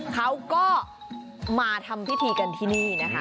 เขาก็มาทำพิธีกันที่นี่นะคะ